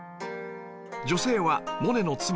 女性はモネの妻